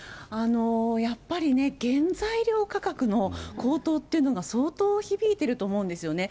やっぱり原材料価格の高騰っていうのが相当響いていると思うんですよね。